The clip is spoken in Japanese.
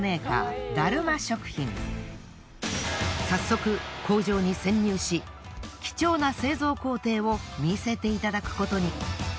早速工場に潜入し貴重な製造工程を見せていただくことに。